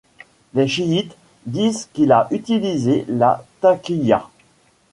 Les chiites disent qu'il a utilisé la Taqiya.